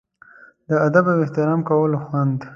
د ادب او احترام کولو خوند.